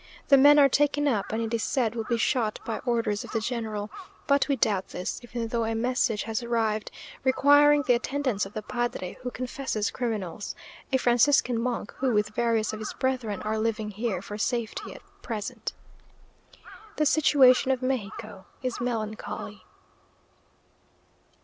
The men are taken up, and it is said will be shot by orders of the general; but we doubt this, even though a message has arrived, requiring the attendance of the padre who confesses criminals; a Franciscan monk, who, with various of his brethren, are living here for safety at present. The situation of Mexico is melancholy.